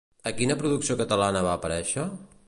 A quina producció catalana va aparèixer?